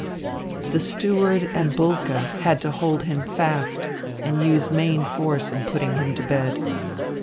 The steward and Bulke had to hold him fast and use main force in putting him to bed.